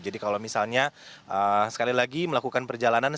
jadi kalau misalnya sekali lagi melakukan perjalanan